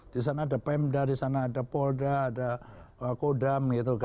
di sana ada pemda di sana ada polda ada kodam